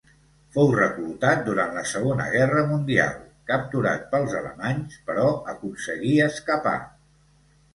Fou reclutat durant la Segona Guerra mundial; capturat pels alemanys, però aconseguí escapar.